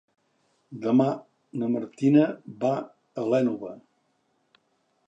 Demà na Martina va a l'Énova.